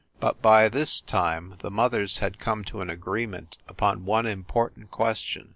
But by this time the mothers had come to an agreement upon one impor tant question.